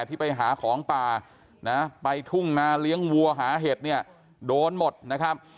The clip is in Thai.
ที่ไปหาของป่านะไปทุ่งนาเลี้ยงวัวหาเห็ดเนี่ยโดนหมดนะครับ